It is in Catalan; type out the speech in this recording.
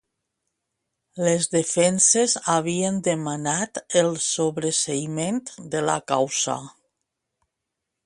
Les defenses havien demanat el sobreseïment de la causa.